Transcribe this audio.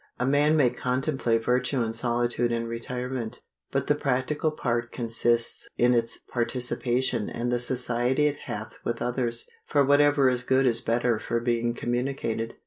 A man may contemplate virtue in solitude and retirement; but the practical part consists in its participation and the society it hath with others; for whatever is good is better for being communicated.